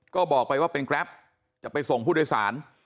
ก็บอกไปว่าเป็นแกรปจะไปส่งผู้โดยสาร